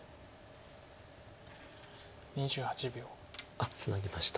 あっツナぎました。